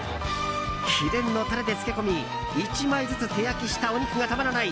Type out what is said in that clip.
秘伝のタレで漬け込み１枚ずつ手焼きしたお肉がたまらない